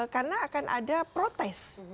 karena akan ada protes